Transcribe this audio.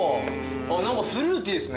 何かフルーティーですね